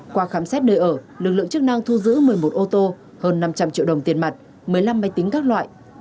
qua khám xét nơi ở lực lượng chức năng thu giữ một mươi một ô tô hơn năm trăm linh triệu đồng tiền mặt một mươi năm máy tính các loại